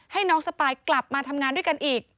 ให้น้องสปายกลับมาทำงานด้วยกันอีก